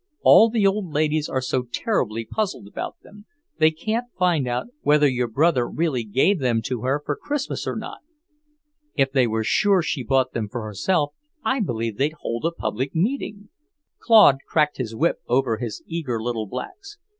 "All the old ladies are so terribly puzzled about them; they can't find out whether your brother really gave them to her for Christmas or not. If they were sure she bought them for herself, I believe they'd hold a public meeting." Claude cracked his whip over his eager little blacks.